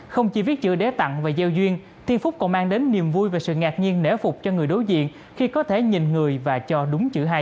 không chỉ viết chữ đế tặng và gieo duyên thi phúc còn mang đến niềm vui về sự ngạc nhiên nể phục cho người đối diện khi có thể nhìn người và cho đúng chữ hay